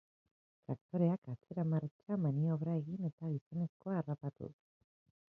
Traktoreak atzera-martxa maniobra egin eta gizonezkoa harrapatu du.